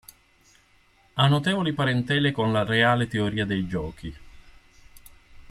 Ha notevoli parentele con la reale teoria dei giochi.